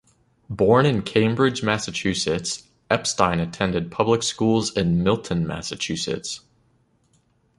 Born in Cambridge, Massachusetts, Epstein attended public schools in Milton, Massachusetts.